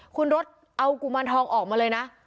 คุณรถเอากุมารทองออกมาเลยนะ